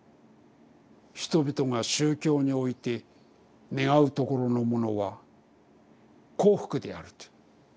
「人々が宗教においてねがうところのものは幸福である」という。